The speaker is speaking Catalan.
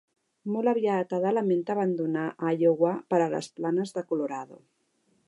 Molt aviat Ada lamenta abandonar Iowa per a les planes de Colorado.